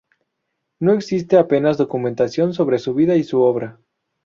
No existe apenas documentación sobre su vida y su obra.